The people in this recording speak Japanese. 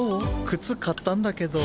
くつかったんだけど。